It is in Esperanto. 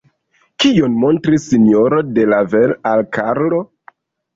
Kion montris S-ro de Lavel al Karlo?